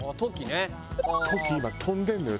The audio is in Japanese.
今飛んでるのよ